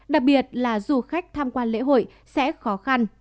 đặc biệt là du khách tham quan lễ hội sẽ khó khăn